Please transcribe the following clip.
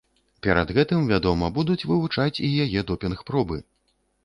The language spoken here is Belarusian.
Перад гэтым, вядома, будуць вывучаць і яе допінг-пробы.